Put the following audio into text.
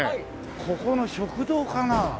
ここの食堂かな？